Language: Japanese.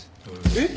えっ？